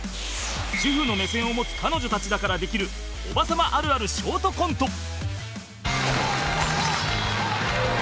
主婦の目線を持つ彼女たちだからできるおばさまあるあるショートコント